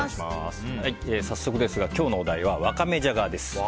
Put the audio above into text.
早速ですが今日のお題はワカメジャガです。